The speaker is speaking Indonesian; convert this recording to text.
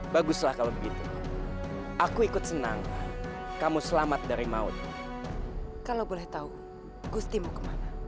baguslah kalau begitu aku ikut senang kamu selamat dari maut kalau boleh tahu gustimu kemana